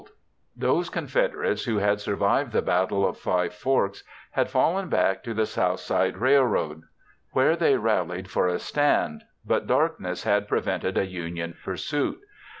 ] Those Confederates who had survived the Battle of Five Forks had fallen back to the Southside Railroad where they rallied for a stand, but darkness had prevented a Union pursuit.